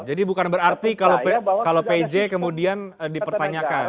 jadi bukan berarti kalau pj kemudian dipertanyakan